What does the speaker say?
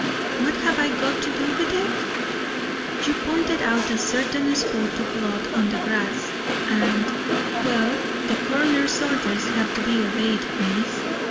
"What have I got to do with it?" "You pointed out a certain spot of blood on the grass, and well, the coroner's orders have to be obeyed, miss.